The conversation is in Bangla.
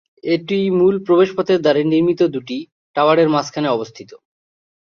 এটি মূল প্রবেশপথের দ্বারে নির্মিত দুটি টাওয়ারের মাঝখানে অবস্থিত।